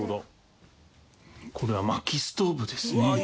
これは薪ストーブですね。